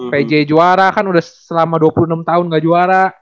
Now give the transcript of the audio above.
pj juara kan udah selama dua puluh enam tahun gak juara